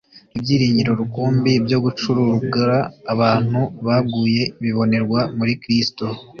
Ibyiringiro rukumbi byo gucurugura abantu baguye bibonerwa muri Kristo;